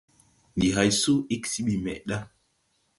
Ndi hay suu ig se ɓi meʼ ɗa.